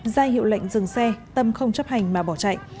ra hiệu lệnh dừng xe tâm không chấp hành mà bỏ chạy